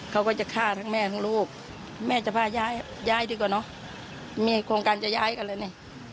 เขาก็จะฆ่าทั้งแม่ทั้งลูกแม่จะพาย้ายดีกว่าเนอะมีโครงการจะย้ายกันเลยนี่